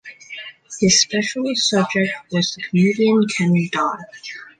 His specialist subject was the comedian Ken Dodd.